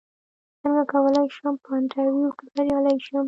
څنګه کولی شم په انټرویو کې بریالی شم